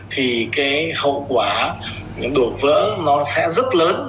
thì cái hậu quả những đồ vỡ nó sẽ rất lớn